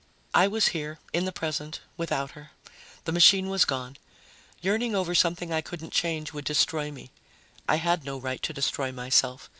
I was here, in the present, without her. The machine was gone. Yearning over something I couldn't change would destroy me. I had no right to destroy myself.